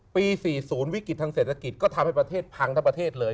ปี๔๐วิกฤตทางเศรษฐกิจก็ทำให้ประเทศพังทั้งประเทศเลย